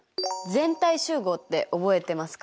全体集合って覚えてますか？